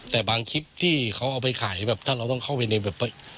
แต่บางคลิปที่เขาเอาไปขายแบบถ้าเราต้องเข้าไปในแบบ